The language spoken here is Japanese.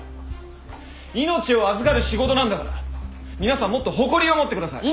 命を預かる仕事なんだから皆さんもっと誇りを持ってください。